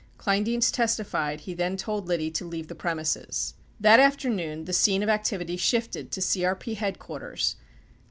Kleindienst testified he then told Liddy to leave the premises. 69 That afternoon the scene of activity shifted to CRP headquarters.